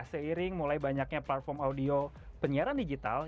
seiring mulai banyaknya platform audio penyiaran digital